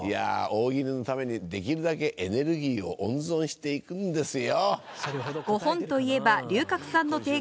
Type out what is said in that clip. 大喜利のためにできるだけエネルギーを温存して行くんですよ！